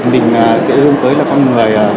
mình sẽ hương tới là con người